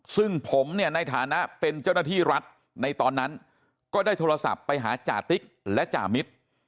ซึ่งผมเนี่ยในฐานะเป็นเจ้าหน้าที่รัฐในตอนนั้นก็ได้โทรศัพท์ไปหาจติ๊กและจ่ามิตร